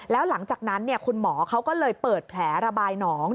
แล้วหลังจากนั้นคุณหมอเขาก็เลยเปิดแผลระบายหนอง